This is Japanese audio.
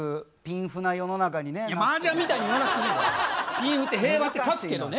「ピンフ」って「平和」って書くけどね。